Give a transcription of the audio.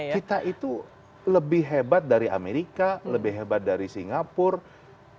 kita itu lebih hebat dari amerika lebih hebat dari singapura